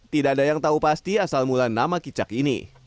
tidak ada yang tahu pasti asal mula nama kicak ini